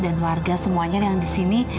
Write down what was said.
dan warga semuanya yang di sini